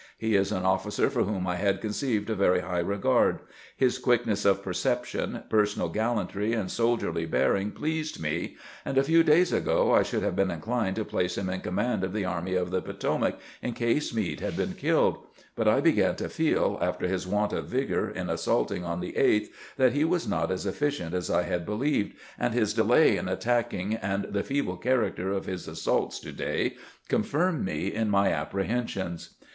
He is an oflBcer for whom I had conceived a very high regard. His quick ness of perception, personal gallantry, and soldierly bearing pleased me, and a few days ago I should have been inclined to place him in command of the Army of the Potomac in case Meade had been killed ; but I began to feel, after his want of vigor in assaulting on the 8th, that he was not as efficient as I had believed, and his delay in attacking and the feeble character of his as saults to day confirm me in my apprehensions."